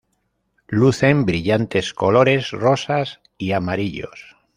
Lucen brillantes colores rosas y amarillos.